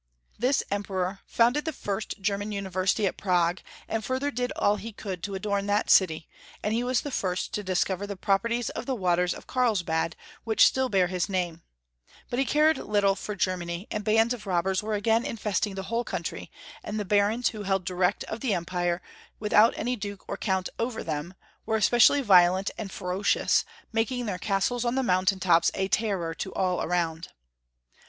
This Emperor founded the first German uni versity at Prague, and further did all he could to adorn that city, and he was the first to discover the properties of the waters of Carlsbad, which still bears his name ; but he cared little for Germany, and bands of robbei's were again infesting the whole country, and the Barons who held direct of the empire, without any Duke or Count over them, were especially violent and ferocious, making their castles on the mountain tops a terror to all around.